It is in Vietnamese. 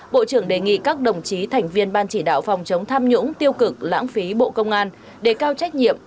bộ trưởng đề nghị các đồng chí thành viên ban chỉ đạo phòng chống tham nhũng tiêu cực lãng phí bộ công an đề cao trách nhiệm